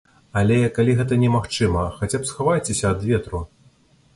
Але, калі гэта немагчыма, хаця б схавайцеся ад ветру.